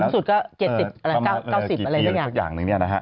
สูงสุดก็๙๐อะไรแบบนี้